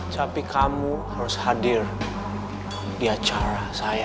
tapi kamu harus hadir di acara saya